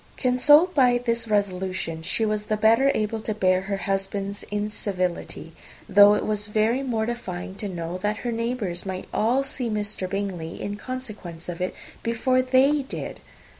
Consoled by this resolution, she was the better able to bear her husband's incivility; though it was very mortifying to know that her neighbours might all see Mr. Bingley, in consequence of it, before they did.